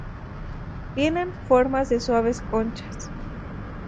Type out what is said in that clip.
Tienen forma de suaves conchas.